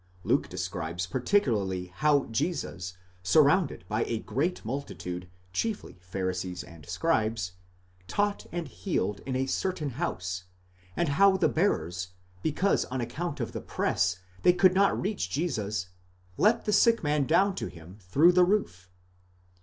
Luke describes particularly how Jesus, surrounded by a great multitude, chiefly Pharisees and scribes, taught and healed in a certain house, and how the bearers, because on account of the press they could not reach Jesus, let the sick man downto him through the roof.